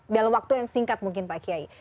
dalam waktu yang singkat mungkin pak kiai